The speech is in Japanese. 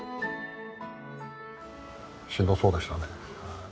しんどそうでしたね。